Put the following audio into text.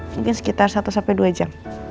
mungkin sekitar satu sampai dua jam